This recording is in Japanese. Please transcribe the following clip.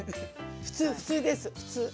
普通普通です普通。